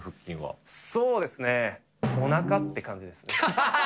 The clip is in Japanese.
そうですね、おなかって感じですね。